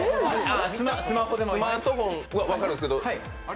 スマートフォンは分かるんですけど？